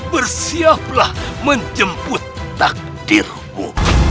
bersiaplah menjemput takdirmu